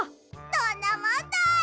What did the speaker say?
どんなもんだい！